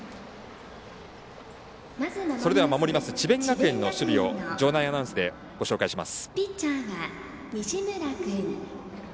それでは、守ります智弁学園の守備を場内アナウンスでご紹介します。